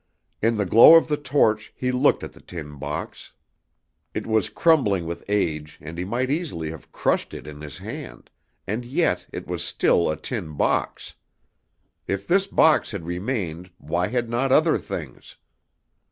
In the glow of the torch he looked at the tin box. It was crumbling with age and he might easily have crushed it in his hand and yet it was still a tin box! If this box had remained why had not other things?